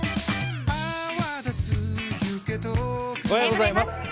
おはようございます。